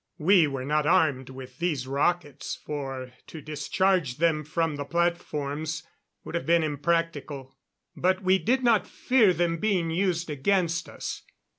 We were not armed with these rockets, for to discharge them from the platforms would have been impractical. But we did not fear them being used against us.